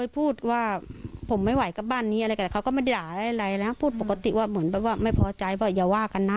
พี่สะพ้ายก็เคยคิดว่าแล้วทำไมต้องมาไล่ฆ่าคนอื่นฆ่าพ่อตาฆ่าแม่ยายแบบนี้มาก่อน